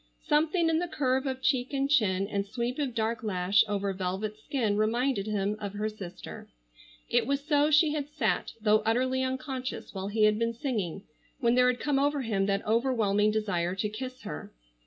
Something in the curve of cheek and chin, and sweep of dark lash over velvet skin, reminded him of her sister. It was so she had sat, though utterly unconscious, while he had been singing, when there had come over him that overwhelming desire to kiss her.